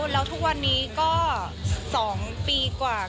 แล้วทุกวันนี้ก็๒ปีกว่า